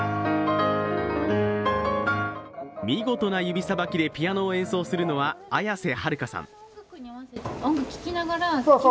見事な指さばきでピアノを演奏するのは綾瀬はるかさん。